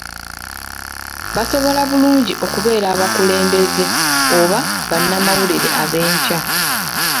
Basobola bulungi okubeera abakulembeze oba bannamawulire ab'enkya.